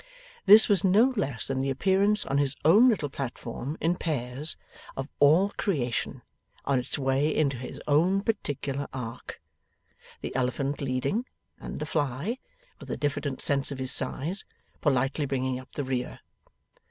This was no less than the appearance on his own little platform in pairs, of All Creation, on its way into his own particular ark: the elephant leading, and the fly, with a diffident sense of his size, politely bringing up the rear.